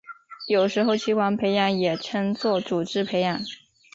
有时候器官培养也称作组织培养。